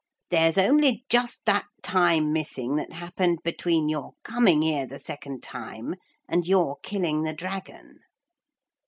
There's only just that time missing that happened between your coming here the second time and your killing the dragon.'